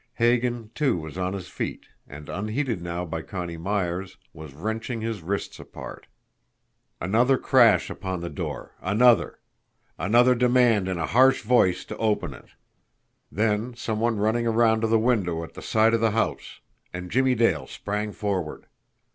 Hagan, too, was on his feet, and, unheeded now by Connie Myers, was wrenching his wrists apart. Another crash upon the door another. Another demand in a harsh voice to open it. Then some one running around to the window at the side of the house and Jimmie Dale sprang forward.